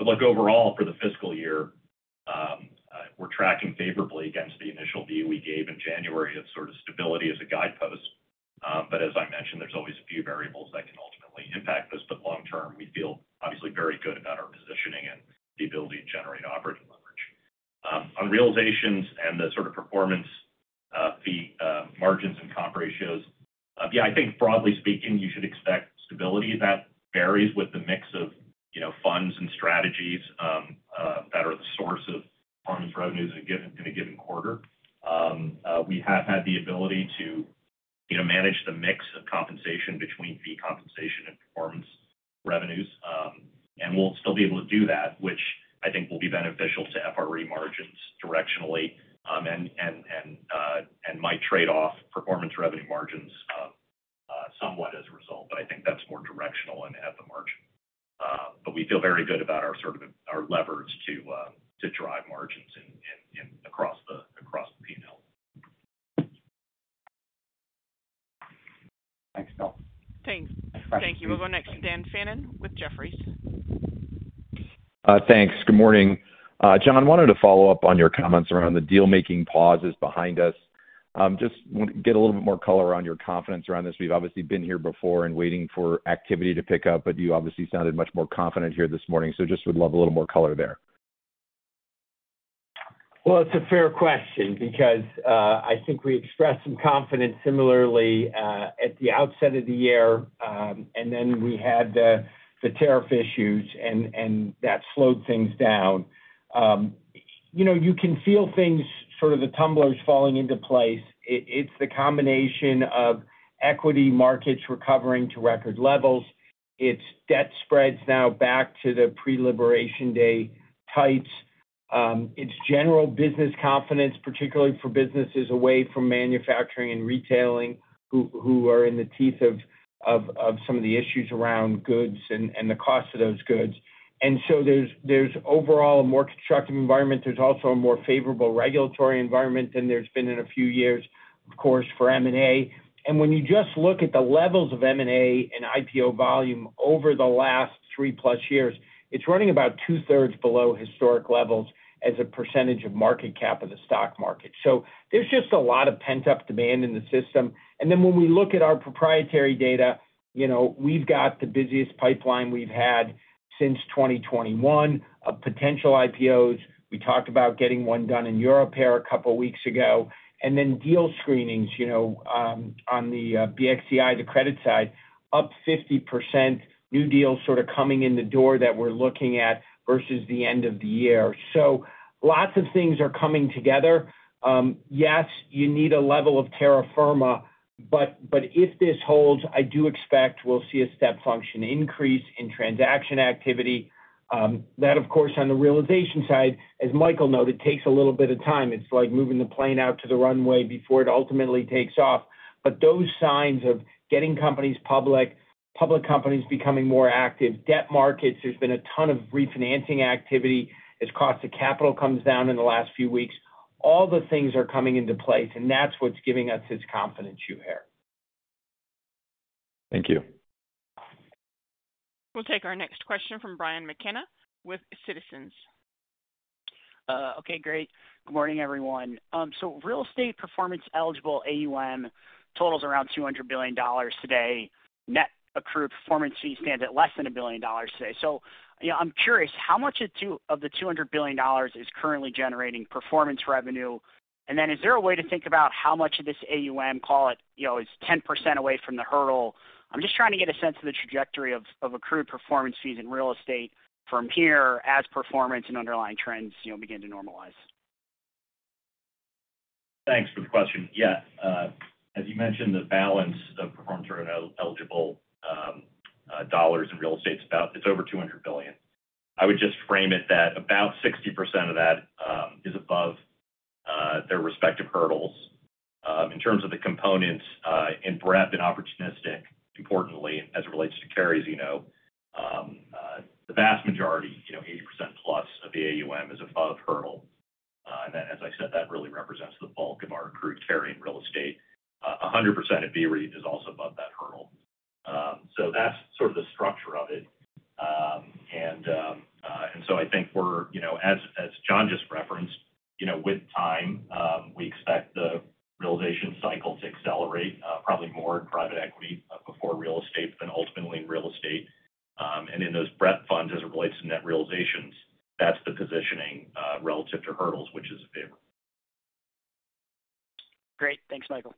Look, overall, for the fiscal year. We're tracking favorably against the initial view we gave in January of sort of stability as a guidepost. As I mentioned, there's always a few variables that can ultimately impact this. Long-term, we feel obviously very good about our positioning and the ability to generate operating leverage. On realizations and the sort of performance. Fee margins and comp ratios, yeah, I think broadly speaking, you should expect stability that varies with the mix of funds and strategies that are the source of performance revenues in a given quarter. We have had the ability to manage the mix of compensation between fee compensation and performance revenues. We'll still be able to do that, which I think will be beneficial to FRE margins directionally and might trade off performance revenue margins somewhat as a result. I think that's more directional and at the margin. We feel very good about our sort of levers to drive margins acrossthe P&L. Thanks. Thank you. We'll go next to Dan Fannon with Jefferies. Thanks. Good morning. John, I wanted to follow up on your comments around the deal-making pauses behind us. Just want to get a little bit more color on your confidence around this. We've obviously been here before and waiting for activity to pick up, but you obviously sounded much more confident here this morning. Just would love a little more color there. It's a fair question because I think we expressed some confidence similarly at the outset of the year, and then we had the tariff issues, and that slowed things down. You can feel things, sort of the tumblers falling into place. It's the combination of equity markets recovering to record levels. It's debt spreads now back to the pre-liberation day tights. It's general business confidence, particularly for businesses away from manufacturing and retailing who are in the teeth of some of the issues around goods and the cost of those goods. There is overall a more constructive environment. There is also a more favorable regulatory environment than there has been in a few years, of course, for M&A. When you just look at the levels of M&A and IPO volume over the last three-plus years, it's running about two-thirds below historic levels as a percentage of market cap of the stock market. There is just a lot of pent-up demand in the system. When we look at our proprietary data, we've got the busiest pipeline we've had since 2021 of potential IPOs. We talked about getting one done in Europe here a couple of weeks ago. Deal screenings on the BXCI, the credit side, are up 50%, new deals sort of coming in the door that we're looking at versus the end of the year. Lots of things are coming together. Yes, you need a level of Terra Firma, but if this holds, I do expect we'll see a step function increase in transaction activity. That, of course, on the realization side, as Michael noted, takes a little bit of time. It's like moving the plane out to the runway before it ultimately takes off. Those signs of getting companies public, public companies becoming more active, debt markets, there has been a ton of refinancing activity. As cost of capital comes down in the last few weeks, all the things are coming into place, and that's what's giving us this confidence you hear. Thank you. We'll take our next question from Brian McKenna with Citizens. Okay, great. Good morning, everyone. Real estate performance eligible AUM totals around $200 billion today. Net accrued performance fees stand at less than $1 billion today. I'm curious, how much of the $200 billion is currently generating performance revenue? Is there a way to think about how much of this AUM, call it, is 10% away from the hurdle? I'm just trying to get a sense of the trajectory of accrued performance fees in real estate from here as performance and underlying trends begin to normalize. Thanks for the question. Yeah. As you mentioned, the balance of performance revenue eligible dollars in real estate is about, it's over $200 billion. I would just frame it that about 60% of that is above their respective hurdles. In terms of the components in BREIT and opportunistic, importantly, as it relates to carries, you know, the vast majority, 80% plus of the AUM is above hurdle. And then, as I said, that really represents the bulk of our accrued carry in real estate. 100% of BREIT is also above that hurdle. So that's sort of the structure of it. I think we're, as John just referenced, with time, we expect the realization cycle to accelerate probably more in private equity before real estate than ultimately in real estate. In those BREIT funds, as it relates to net realizations, that's the positioning relative to hurdles, which is a favor. Great. Thanks, Michael.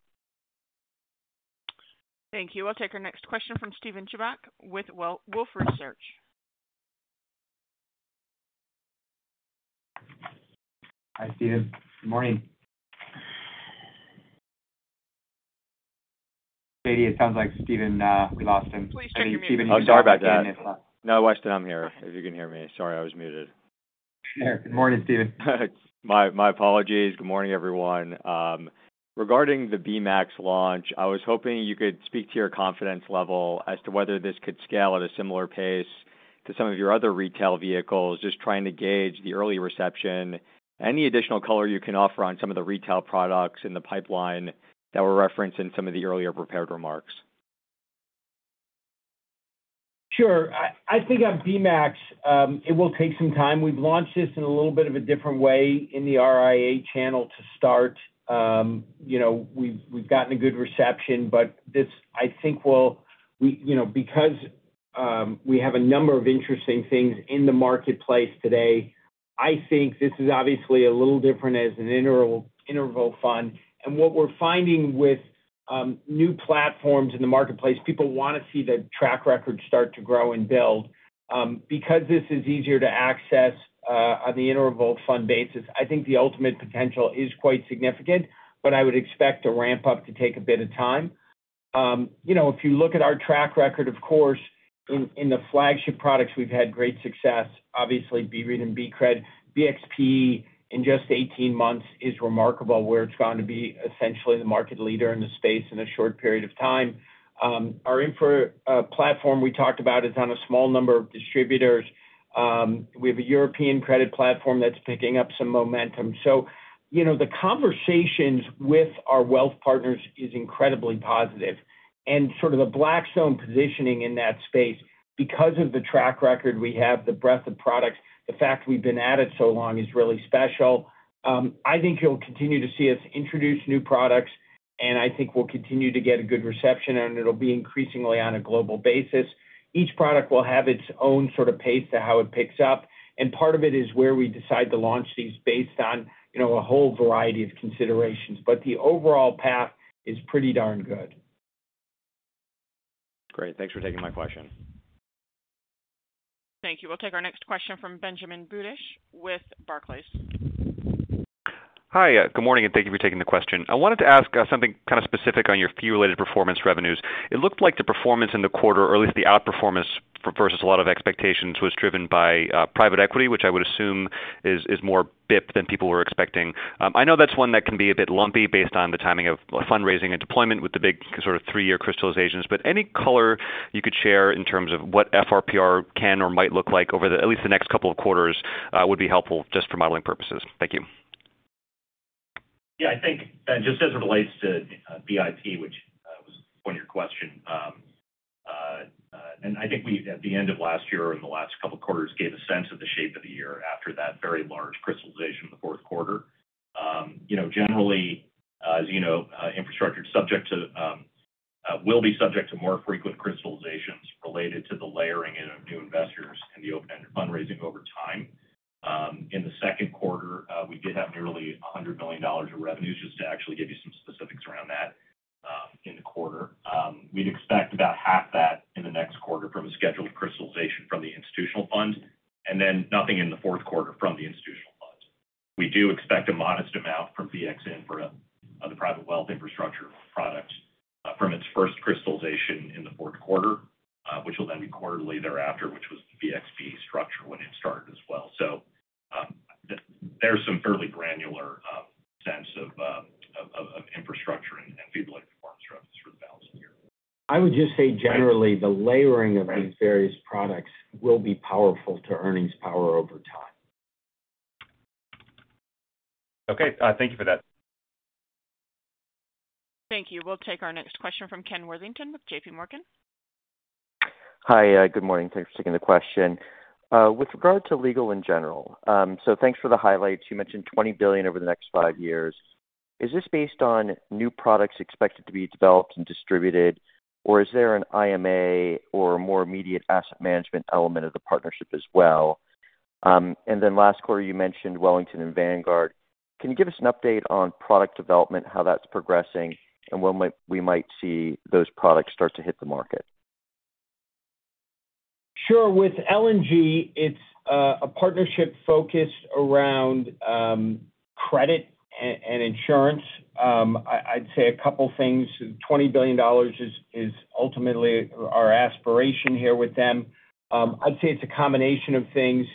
Thank you. We'll take our next question from Steven Chubak with Wolfe Research. Hi, Steven. Good morning. Katie, it sounds like Steven, we lost him. Please say your name, Steven. Oh, sorry about that. No, I still am here, if you can hear me. Sorry, I was muted. Good morning, Stephen. My apologies. Good morning, everyone. Regarding the BMAX launch, I was hoping you could speak to your confidence level as to whether this could scale at a similar pace to some of your other retail vehicles, just trying to gauge the early reception. Any additional color you can offer on some of the retail products in the pipeline that were referenced in some of the earlier prepared remarks? Sure. I think on BMAX, it will take some time. We've launched this in a little bit of a different way in the RIA channel to start. We've gotten a good reception, but this, I think, will, because we have a number of interesting things in the marketplace today, I think this is obviously a little different as an interval fund. What we're finding with new platforms in the marketplace, people want to see the track record start to grow and build. Because this is easier to access on the interval fund basis, I think the ultimate potential is quite significant, but I would expect a ramp-up to take a bit of time. If you look at our track record, of course, in the flagship products, we've had great success. Obviously, BREIT and BCRED, BXPE, in just 18 months is remarkable where it's gone to be essentially the market leader in the space in a short period of time. Our infra platform we talked about is on a small number of distributors. We have a European credit platform that's picking up some momentum. The conversations with our wealth partners is incredibly positive. The Blackstone positioning in that space, because of the track record we have, the breadth of products, the fact we've been at it so long is really special. I think you'll continue to see us introduce new products, and I think we'll continue to get a good reception, and it'll be increasingly on a global basis. Each product will have its own sort of pace to how it picks up. Part of it is where we decide to launch these based on a whole variety of considerations. The overall path is pretty darn good. Great. Thanks for taking my question. Thank you. We'll take our next question from Ben Budish with Barclays. Hi. Good morning, and thank you for taking the question. I wanted to ask something kind of specific on your fee-related performance revenues. It looked like the performance in the quarter, or at least the outperformance versus a lot of expectations, was driven by private equity, which I would assume is more BIP than people were expecting. I know that's one that can be a bit lumpy based on the timing of fundraising and deployment with the big sort of three-year crystallizations. Any color you could share in terms of what FRPR can or might look like over at least the next couple of quarters would be helpful just for modeling purposes. Thank you. Yeah. I think just as it relates to BIP, which was one of your questions. I think at the end of last year or in the last couple of quarters, gave a sense of the shape of the year after that very large crystallization in the fourth quarter. Generally, as you know, infrastructure will be subject to more frequent crystallizations related to the layering of new investors and the open-ended fundraising over time. In the second quarter, we did have nearly $100 million of revenues, just to actually give you some specifics around that. In the quarter, we'd expect about half that in the next quarter from a scheduled crystallization from the institutional fund, and then nothing in the fourth quarter from the institutional fund. We do expect a modest amount from BXINFRA of the private wealth infrastructure product from its first crystallization in the fourth quarter, which will then be quarterly thereafter, which was the BXPE structure when it started as well. There's some fairly granular sense of infrastructure and fee-related performance revenues for the balance of the year. I would just say generally the layering of these various products will be powerful to earnings power over time. Okay. Thank you for that. Thank you. We'll take our next question from Ken Worthington with J.P. Morgan. Hi. Good morning. Thanks for taking the question. With regard to Legal & General, so thanks for the highlights. You mentioned $20 billion over the next five years. Is this based on new products expected to be developed and distributed, or is there an IMA or a more immediate asset management element of the partnership as well? Last quarter, you mentioned Wellington and Vanguard. Can you give us an update on product development, how that's progressing, and when we might see those products start to hit the market? Sure. With L&G, it's a partnership focused around credit and insurance. I'd say a couple of things. $20 billion is ultimately our aspiration here with them. I'd say it's a combination of things.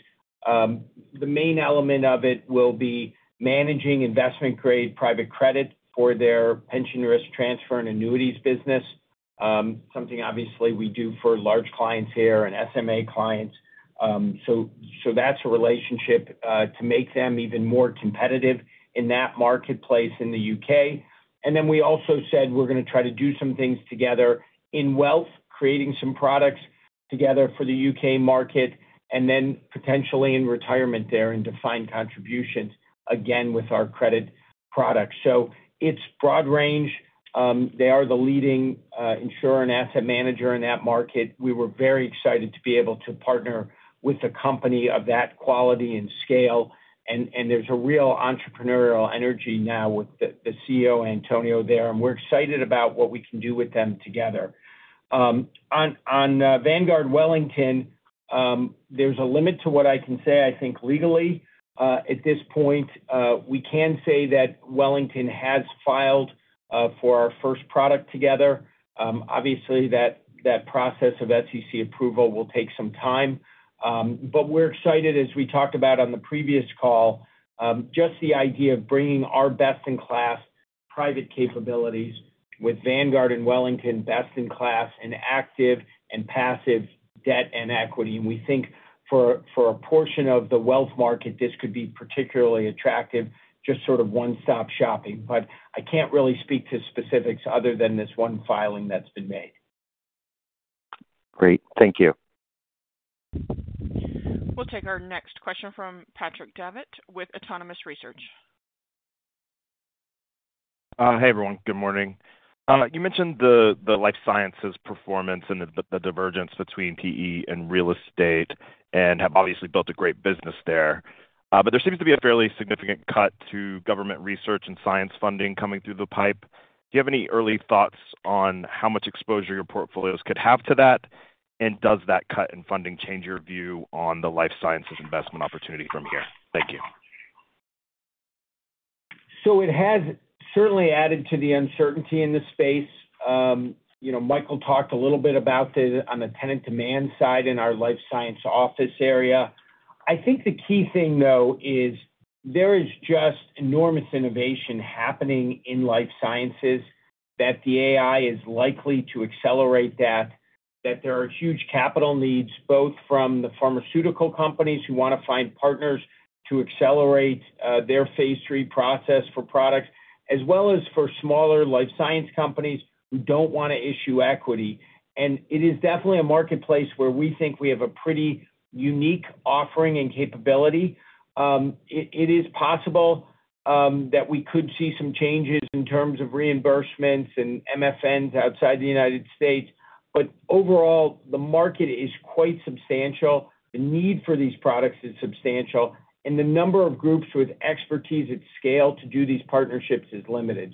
The main element of it will be managing investment-grade private credit for their pension risk transfer and annuities business. Something obviously we do for large clients here and SMA clients. That is a relationship to make them even more competitive in that marketplace in the U.K. We also said we're going to try to do some things together in wealth, creating some products together for the U.K. market, and then potentially in retirement there and defined contributions again with our credit products. It is a broad range. They are the leading insurer and asset manager in that market. We were very excited to be able to partner with a company of that quality and scale. There is a real entrepreneurial energy now with the CEO, Antonio, there. We are excited about what we can do with them together. On Vanguard Wellington, there's a limit to what I can say, I think, legally. At this point, we can say that Wellington has filed for our first product together. Obviously, that process of SEC approval will take some time. We are excited, as we talked about on the previous call. Just the idea of bringing our best-in-class private capabilities with Vanguard and Wellington, best-in-class in active and passive debt and equity. We think for a portion of the wealth market, this could be particularly attractive, just sort of one-stop shopping. I can't really speak to specifics other than this one filing that's been made. Great. Thank you. We'll take our next question from Patrick Davitt with Autonomous Research. Hey, everyone. Good morning. You mentioned the life sciences performance and the divergence between PE and real estate and have obviously built a great business there. There seems to be a fairly significant cut to government research and science funding coming through the pipe. Do you have any early thoughts on how much exposure your portfolios could have to that? Does that cut in funding change your view on the life sciences investment opportunity from here? Thank you. It has certainly added to the uncertainty in the space. Michael talked a little bit about it on the tenant demand side in our life science office area. I think the key thing, though, is there is just enormous innovation happening in life sciences that the AI is likely to accelerate that, that there are huge capital needs both from the pharmaceutical companies who want to find partners to accelerate their phase three process for products, as well as for smaller life science companies who do not want to issue equity. It is definitely a marketplace where we think we have a pretty unique offering and capability. It is possible that we could see some changes in terms of reimbursements and MFNs outside the U.S. Overall, the market is quite substantial. The need for these products is substantial. The number of groups with expertise at scale to do these partnerships is limited.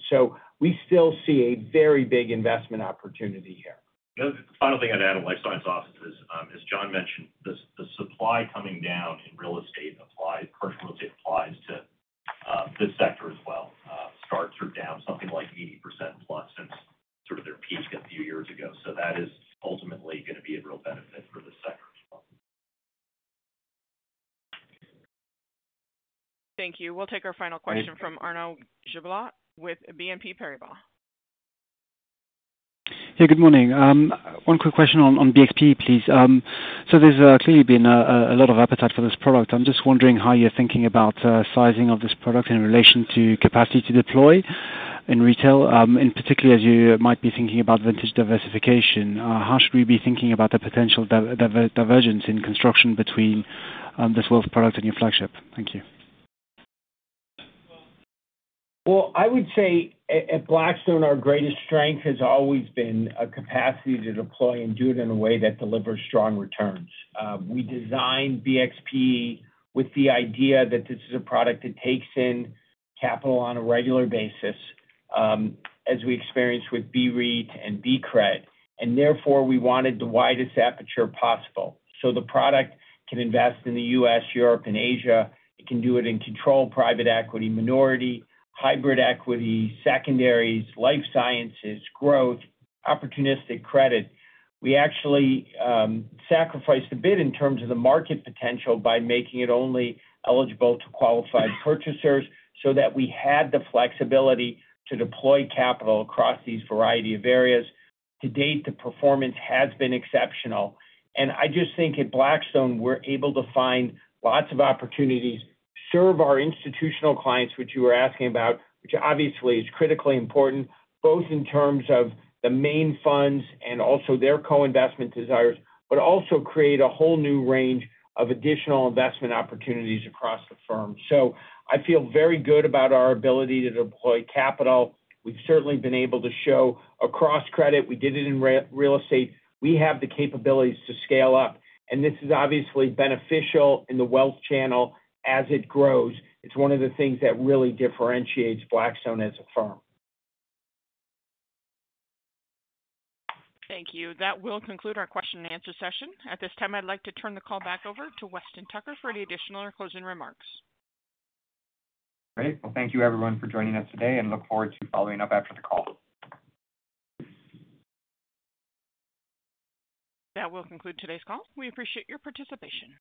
We still see a very big investment opportunity here. The final thing I'd add on life science offices, as John mentioned, the supply coming down in real estate personally applies to the sector as well. Starts are down something like 80% plus since sort of their peak a few years ago. That is ultimately going to be a real benefit for the sector. Thank you. We'll take our final question from Arnaud Giblat with BNP Paribas. Hey, good morning. One quick question on BXPE, please. There has clearly been a lot of appetite for this product. I'm just wondering how you're thinking about sizing of this product in relation to capacity to deploy in retail, in particular as you might be thinking about vintage diversification. How should we be thinking about the potential divergence in construction between this wealth product and your flagship? Thank you. At Blackstone, our greatest strength has always been a capacity to deploy and do it in a way that delivers strong returns. We designed BXPE with the idea that this is a product that takes in capital on a regular basis, as we experienced with BREIT and BCRED. Therefore, we wanted the widest aperture possible. The product can invest in the US, Europe, and Asia. It can do it in controlled private equity, minority, hybrid equity, secondaries, life sciences, growth, opportunistic credit. We actually sacrificed a bit in terms of the market potential by making it only eligible to qualified purchasers so that we had the flexibility to deploy capital across these variety of areas. To date, the performance has been exceptional. I just think at Blackstone, we're able to find lots of opportunities, serve our institutional clients, which you were asking about, which obviously is critically important, both in terms of the main funds and also their co-investment desires, but also create a whole new range of additional investment opportunities across the firm. I feel very good about our ability to deploy capital. We've certainly been able to show across credit. We did it in real estate. We have the capabilities to scale up. This is obviously beneficial in the wealth channel as it grows. It's one of the things that really differentiates Blackstone as a firm. Thank you. That will conclude our question and answer session. At this time, I'd like to turn the call back over to Weston Tucker for any additional or closing remarks. Great. Thank you, everyone, for joining us today, and look forward to following up after the call. That will conclude today's call. We appreciate your participation.